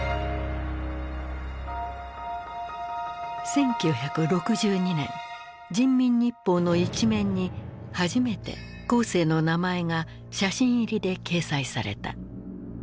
１９６２年人民日報の一面に初めて江青の名前が写真入りで掲載された。